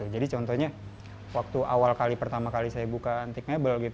jadi contohnya waktu awal pertama kali saya buka antik mabel